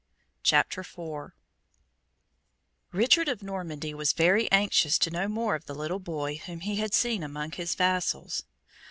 CHAPTER IV Richard of Normandy was very anxious to know more of the little boy whom he had seen among his vassals.